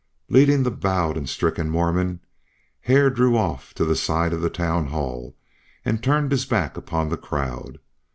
Leading the bowed and stricken Mormon, Hare drew off to the side of the town hall and turned his back upon the crowd.